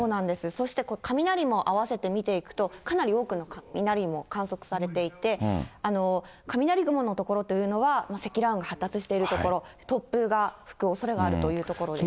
そして雷もあわせて見ていくと、かなり多くの雷も観測されていて、雷雲の所というのは、積乱雲が発達している所、突風が吹くおそれがあるという所でした。